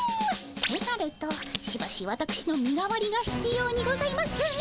となるとしばしわたくしの身代わりがひつようにございますね。